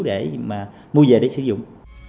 để mà mua về để sử dụng